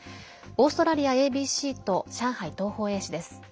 オーストラリアＡＢＣと上海東方衛視です。